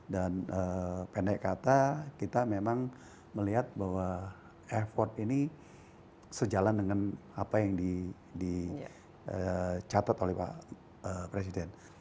dan pendek kata kita memang melihat bahwa effort ini sejalan dengan apa yang dicatat oleh pak presiden